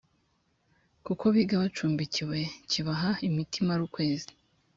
kuko biga bacumbikiwe kibaha imiti imara ukwezi